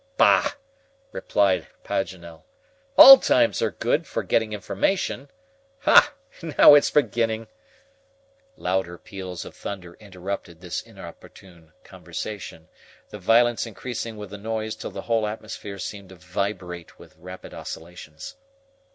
"Bah!" replied Paganel, "all times are good for getting information. Ha! now it's beginning." Louder peals of thunder interrupted this inopportune conversation, the violence increasing with the noise till the whole atmosphere seemed to vibrate with rapid oscillations.